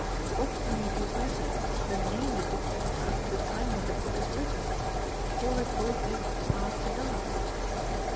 _ What can we do better than name the book after the time when the book is written? Call it boldly, _After dark.